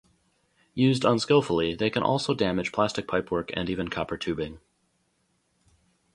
Used unskillfully, they can also damage plastic pipework and even copper tubing.